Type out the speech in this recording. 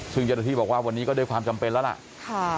ซึ่งเจ้าหน้าที่บอกว่าวันนี้ก็ด้วยความจำเป็นแล้วล่ะ